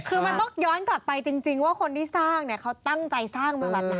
คือมันต้องย้อนกลับไปจริงว่าคนที่สร้างเนี่ยเขาตั้งใจสร้างมาแบบไหน